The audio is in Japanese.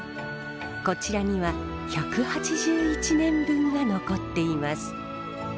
こちらには１８１年分が残っています。